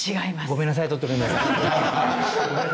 ごめんなさい